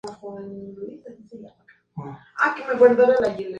Se adquieren en panaderías y su venta es al peso.